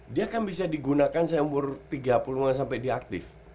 dia kan bisa digunakan seumur tiga puluh lima sampai dia aktif